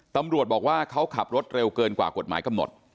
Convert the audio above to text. ตำรวจบอกว่าเขาขับรถเร็วเกินกว่ากฎหมายกำหนด